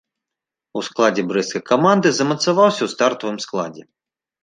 У складзе брэсцкай каманды замацаваўся ў стартавым складзе.